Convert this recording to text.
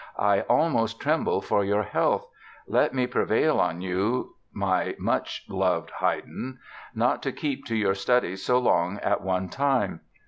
I almost tremble for your health. Let me prevail on you my much loved Haydn not to keep to your study's so long at one time.